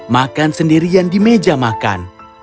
makan sendirian di meja makan